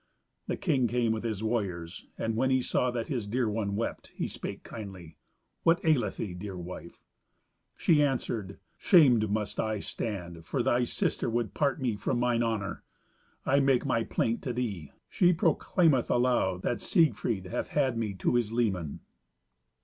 The king came with his warriors, and, when he saw that his dear one wept, he spake kindly, "What aileth thee, dear wife?" She answered, "Shamed must I stand, for thy sister would part me from mine honour? I make my plaint to thee. She proclaimeth aloud that Siegfried hath had me to his leman."